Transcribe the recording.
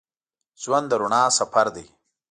ژوند د رڼا سفر دی.